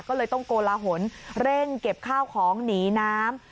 ก็เลยต้องโกลหนเร่งเก็บข้าวของหนีน้ำ